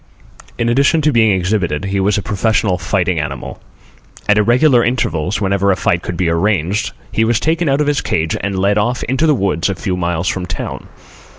In addition to being exhibited he was a professional fighting animal. At irregular intervals, whenever a fight could be arranged, he was taken out of his cage and led off into the woods a few miles from town.